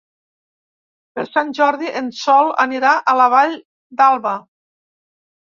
Per Sant Jordi en Sol anirà a la Vall d'Alba.